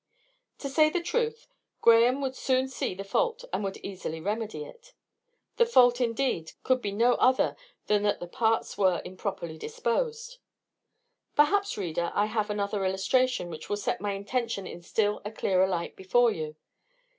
To say the truth, Graham would soon see the fault, and would easily remedy it. The fault, indeed, could be no other than that the parts were improperly disposed. Perhaps, reader, I have another illustration which will set my intention in still a clearer light before you.